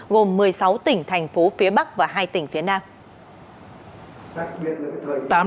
gồm một mươi sáu tỉnh thành phố phía bắc và hai tỉnh phía nam